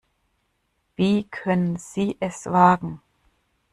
Wie können Sie es wagen?